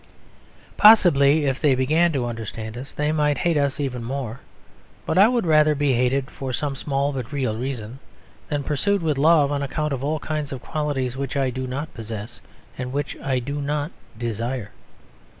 Possibly if they began to understand us they might hate us even more: but I would rather be hated for some small but real reason than pursued with love on account of all kinds of qualities which I do not possess and which I do not desire.